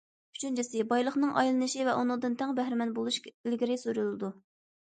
ئۈچىنچىسى، بايلىقنىڭ ئايلىنىشى ۋە ئۇنىڭدىن تەڭ بەھرىمەن بولۇش ئىلگىرى سۈرۈلىدۇ.